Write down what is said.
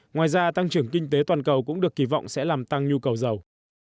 ngoài ra tăng trưởng kinh tế toàn cầu cũng được kỳ vọng sẽ làm tăng nhu cầu dầu